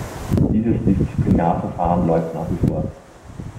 Dieses Disziplinarverfahren läuft nach wie vor.